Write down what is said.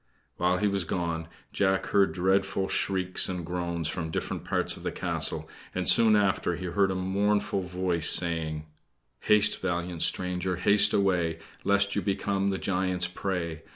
While he was gone, Jack heard dreadful shrieks and groans from different parts of the castle, and soon after he heard a mournful voice saying: "Haste, valiant stranger, haste away, Lest you become the giant's prey.